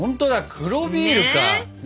黒ビールね。